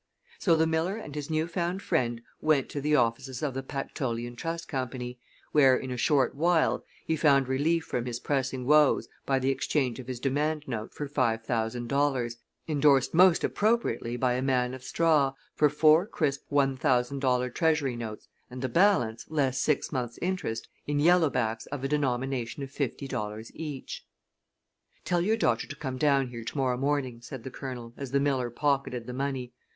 So the miller and his new found friend went to the offices of the Pactolean Trust Company, where, in a short while, he found relief from his pressing woes by the exchange of his demand note for five thousand dollars, indorsed most appropriately by a man of straw, for four crisp one thousand dollar treasury notes and the balance, less six months' interest, in yellow backs of a denomination of fifty dollars each. "Tell your daughter to come down here to morrow morning," said the Colonel, as the miller pocketed the money.